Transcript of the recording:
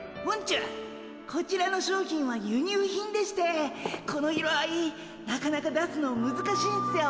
こちらの商品は輸入品でしてこの色合いなかなか出すのむずかしいんすよ。